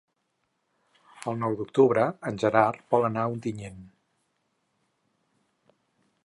El nou d'octubre en Gerard vol anar a Ontinyent.